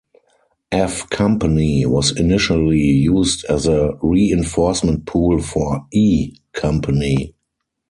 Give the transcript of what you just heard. "F" Company was initially used as a reinforcement pool for "E" Company.